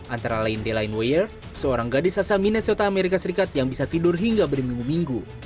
antara lain deline wayer seorang gadis asal minesota amerika serikat yang bisa tidur hingga berminggu minggu